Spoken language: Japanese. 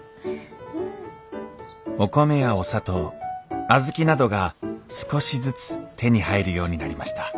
お米やお砂糖小豆などが少しずつ手に入るようになりました。